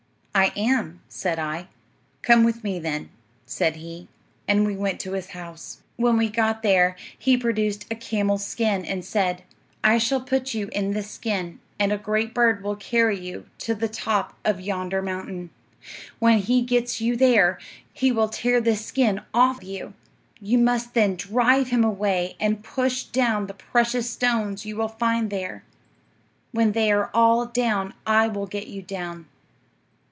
"I am," said I. "Come with me, then," said he; and we went to his house. "'When we got there he produced a camel's skin, and said, "I shall put you in this skin, and a great bird will carry you to the top of yonder mountain. When he gets you there, he will tear this skin off you. You must then drive him away and push down the precious stones you will find there. When they are all down, I will get you down."